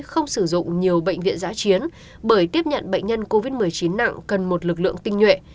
không sử dụng nhiều bệnh viện giã chiến bởi tiếp nhận bệnh nhân covid một mươi chín nặng cần một lực lượng tinh nhuệ